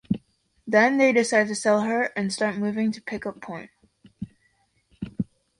Then they decide to sell her and start moving to pick up point.